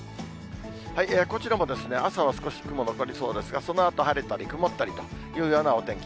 こちらも朝は少し雲残りそうですが、そのあと晴れたり曇ったりというようなお天気。